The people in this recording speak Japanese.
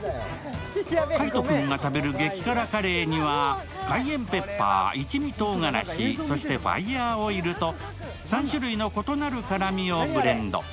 海音君が食べる激辛カレーにはカイエンペッパー、一味とうがらしそしてファイヤーオイルと３種類の異なる辛みをブレンド。